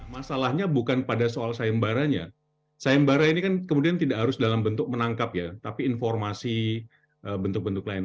masalahnya bukan pada soal sayembaranya sayembara ini kan kemudian tidak harus dalam bentuk menangkap ya tapi informasi bentuk bentuk lain